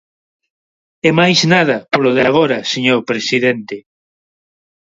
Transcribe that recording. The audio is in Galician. E máis nada polo de agora, señor presidente.